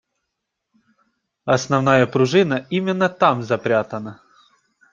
Основная пружина именно там запрятана.